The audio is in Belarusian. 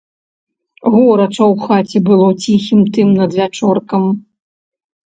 Горача ў хаце было ціхім тым надвячоркам.